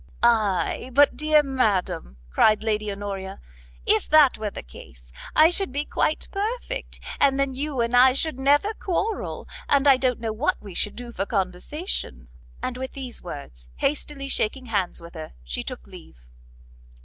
"Ay but, dear madam," cried Lady Honoria, "if that were the case, I should be quite perfect, and then you and I should never quarrel, and I don't know what we should do for conversation." And with these words, hastily shaking hands with her, she took leave.